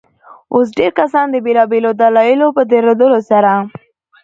اوس ډېرى کسان د بېلابيلو دلايلو په درلودلو سره.